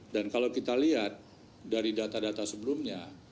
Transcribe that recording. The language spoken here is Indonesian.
dan kalau kita lihat dari data data sebelumnya